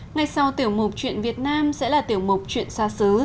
ngay sau tiểu mục chuyện việt nam sẽ là tiểu mục chuyện xa xứ